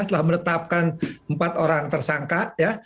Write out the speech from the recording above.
telah menetapkan empat orang tersangka